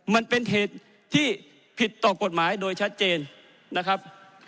มันเป็นเหตุที่ผิดต่อกฎหมายโดยชัดเจนนะครับ